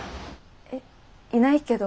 えっいないけど。